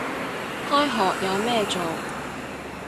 開學有咩做